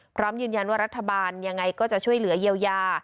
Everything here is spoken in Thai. พร้อมยืนยันว่ารัฐบาลยังไงก็จะช่วยเหลือเยียวยา